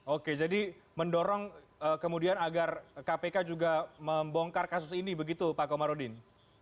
oke jadi mendorong kemudian agar kpk juga membongkar kasus ini begitu pak komarudin